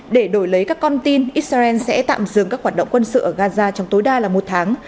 để đổi lấy các con tin israel sẽ tạm dừng các hoạt động quân sự ở gaza trong tối đa là một tháng